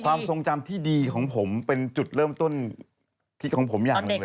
ความทรงจำที่ดีของผมเป็นจุดเริ่มต้นของผมอย่างหนึ่งเลย